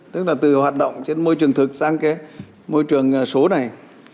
tức là từ hoạt động trên môi trường thực sang cái môi trường số này